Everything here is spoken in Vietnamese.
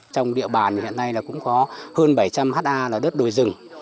trong địa bàn thì hiện nay là cũng có hơn bảy trăm linh ha là đất đồi rừng